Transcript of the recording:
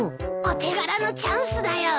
お手柄のチャンスだよ。